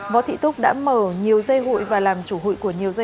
võ thị túc đã mở nhiều dây hụi và làm chủ hụi của nhiều người